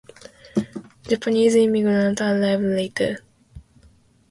Japanese immigrants arrived later.